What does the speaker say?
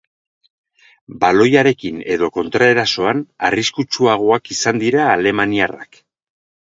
Baloiarekin edo kontraerasoan, arriskutsuagoak izan dira alemaniarrak.